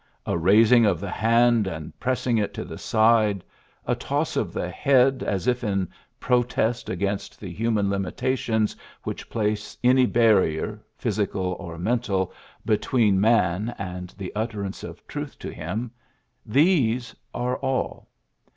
A raising of the hand and pressing it to the side, a toss of the head as if in protest against the human limitations which place any barrier, physical or mental, between PHILLIPS BROOKS 65 man and the utterance of truth to him, these are all.